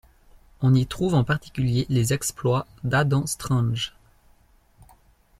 On y trouve en particulier les exploits d'Adam Strange.